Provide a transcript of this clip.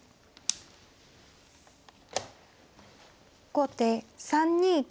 後手３二金。